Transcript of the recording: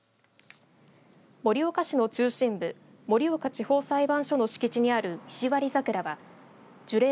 盛岡市の中心部盛岡地方裁判所の敷地にある石割桜は樹齢